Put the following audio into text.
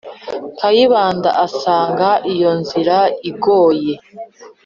kayibanda asanga iyo nzira igoye,